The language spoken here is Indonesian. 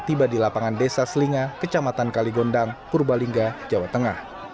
tiba di lapangan desa selinga kecamatan kaligondang purbalingga jawa tengah